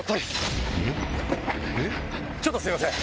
ちょっとすいません！